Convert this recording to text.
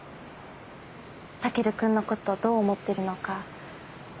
タケルくんのことどう思ってるのか。